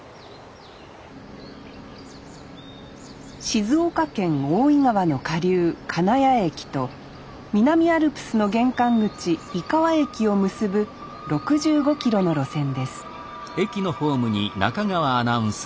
静岡県大井川の下流金谷駅と南アルプスの玄関口井川駅を結ぶ６５キロの路線です